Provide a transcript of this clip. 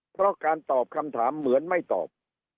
เพราะการตอบคำถามเหมือนไม่ตอบ